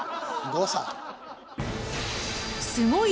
誤差。